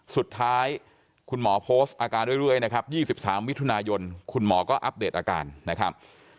สุดท้ายคุณหมอโพสต์อาการเรื่อยนะครับ๒๓มิถุนายนคุณหมอก็อัปเดตอาการนะครับ